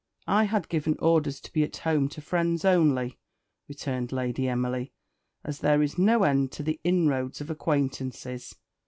"I had given orders to be at home to friends only," returned Lady Emily, "as there is no end to the inroads of acquaintances."